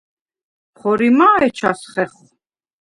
ხორიმა̄ ეჩას ხეხვ?